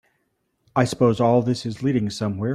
I suppose all this is leading somewhere?